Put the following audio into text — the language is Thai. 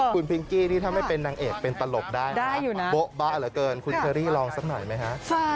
คุณพิงกี้นี่ถ้าไม่เป็นนางเอกเป็นตลกได้นะโบ๊บะเหลือเกินคุณเชอรี่ลองสักหน่อยไหมฮะ